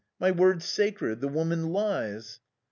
My word's sacred. The woman lies."